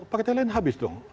partai lain habis